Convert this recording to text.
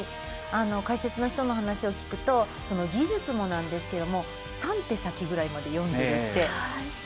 解説の人の話を聞くと技術もなんですけど３手先ぐらいまで読んでいるって。